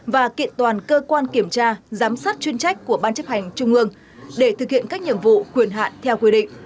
và kiện toàn cơ quan kiểm tra giám sát chuyên trách của ban chấp hành trung ương để thực hiện các nhiệm vụ quyền hạn theo quy định